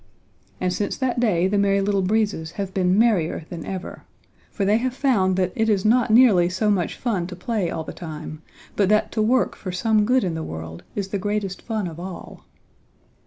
And since that day the Merry Little Breezes have been merrier than ever, for they have found that it is not nearly so much fun to play all the time, but that to work for some good in the world is the greatest fun of all.